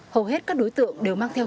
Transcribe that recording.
hầu hết các đối tượng đều mang theo hút